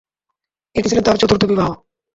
এটি ছিল তার চতুর্থ বিবাহ।